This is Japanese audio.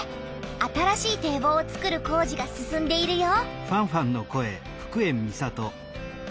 新しい堤防をつくる工事が進んでいるよ。